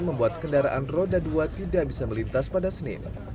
membuat kendaraan roda dua tidak bisa melintas pada senin